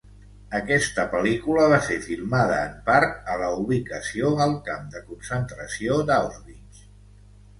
Aquesta pel·lícula va ser filmada en part a la ubicació al camp de concentració d'Auschwitz.